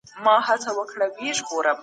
ناراضي خلک خپل غږ پورته کوي.